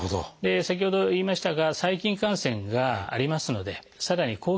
先ほど言いましたが細菌感染がありますのでさらに